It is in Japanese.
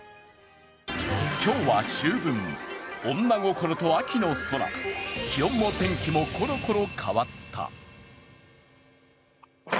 今日は秋分、女心と秋の空気温も天気もころころ変わった。